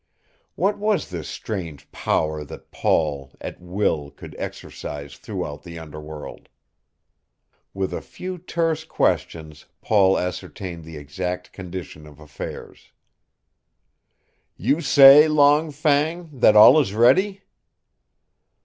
What was this strange power that Paul, at will, could exercise throughout the underworld? With a few terse questions Paul ascertained the exact condition of affairs. "You say, Long Fang, that all is ready?"